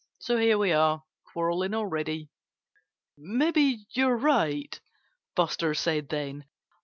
So here we are, quarreling already!" "Maybe you're right," Buster said then.